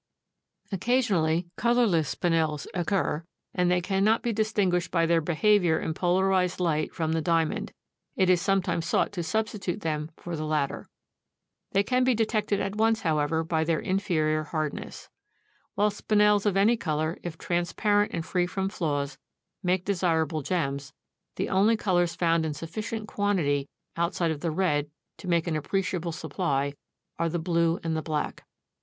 Occasionally colorless Spinels occur, and as they cannot be distinguished by their behavior in polarized light from the diamond, it is sometimes sought to substitute them for the latter. They can be detected at once, however, by their inferior hardness. While Spinels of any color, if transparent and free from flaws, make desirable gems, the only colors found in sufficient quantity outside of the red to make an appreciable supply are the blue and the black.